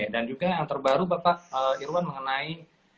dan juga yang terbaru bapak irwan mengenai